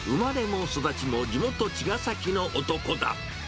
生まれも育ちも地元、茅ヶ崎の男だ。